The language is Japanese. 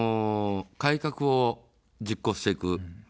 改革を実行していく。